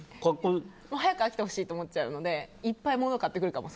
早く飽きてほしいと思っちゃうのでいっぱい物を買ってくるかも。